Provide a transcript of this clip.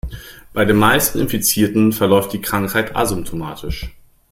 Bei den meisten Infizierten verläuft die Krankheit asymptomatisch.